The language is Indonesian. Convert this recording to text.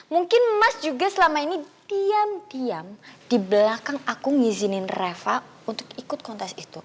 mungkin mas juga selama ini diam diam di belakang aku ngizinin reva untuk ikut kontes itu